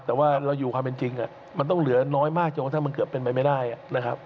แต่ว่าเราอยู่ความเป็นจริงมันต้องเหลือน้อยมากจนกระทั่งมันเกือบเป็นไปไม่ได้นะครับ